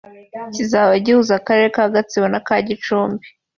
kizaba gihuza Akarere ka Gasabo n’aka Gicumbi